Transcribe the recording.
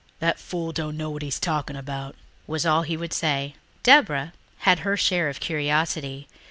"That fool dunno what he's talking about," was all he would say. Deborah had her share of curiosity.